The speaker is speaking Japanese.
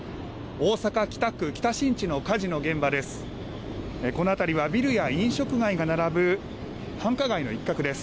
大阪・北区北新地の火事の現場です。